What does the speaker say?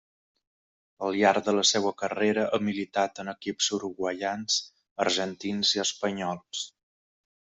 Al llarg de la seua carrera, ha militat en equips uruguaians, argentins i espanyols.